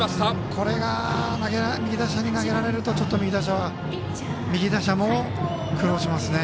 これが右打者に投げられるとちょっと右打者も苦労しますね。